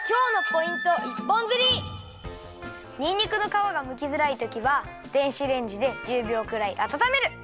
ここでにんにくのかわがむきづらいときは電子レンジで１０びょうくらいあたためる！